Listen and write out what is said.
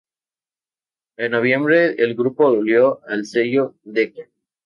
En noviembre el grupo volvió al sello Decca.